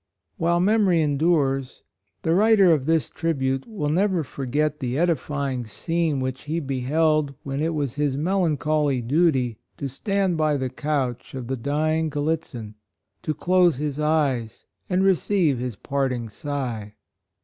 While memory endures the writer of this tribute, will never forget the edifying scene which he beheld when it was his melancholy duty to stand by the couch of the dying Gal litzin, to close his eyes, and receive his parting sigh.